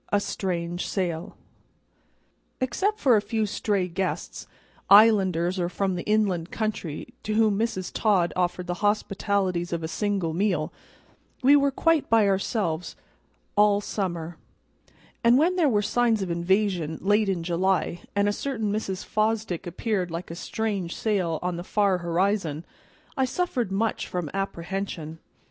A Strange Sail EXCEPT FOR a few stray guests, islanders or from the inland country, to whom Mrs. Todd offered the hospitalities of a single meal, we were quite by ourselves all summer; and when there were signs of invasion, late in July, and a certain Mrs. Fosdick appeared like a strange sail on the far horizon, I suffered much from apprehension.